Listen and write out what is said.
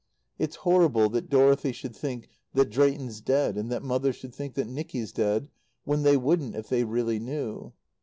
It's horrible that Dorothy should think that Drayton's dead and that Mother should think that Nicky's dead, when they wouldn't, if they really knew.